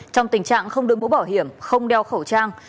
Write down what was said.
trong tình trạng không đưa mũ bảo hiểm không đeo khẩu trang